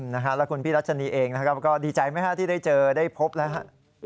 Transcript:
แล้วคุณพี่รัชนีเองนะครับก็ดีใจไหมฮะที่ได้เจอได้พบแล้วฮะ